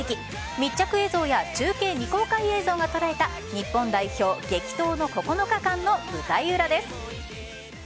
密着映像や中継未公開映像が捉えた日本代表激闘の９日間の舞台裏です。